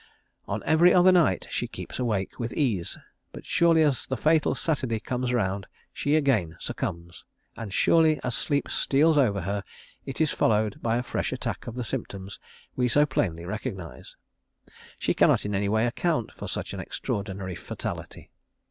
On every other night she keeps awake with ease, but surely as the fatal Saturday comes round she again succumbs, and surely as sleep steals over her is it followed by a fresh attack of the symptoms we so plainly recognise. She cannot in any way account for such an extraordinary fatality.